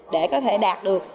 để có thể đạt được